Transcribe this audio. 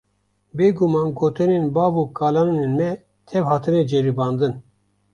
Bêguman gotinên bav û kalanên me tev hatine ceribandin.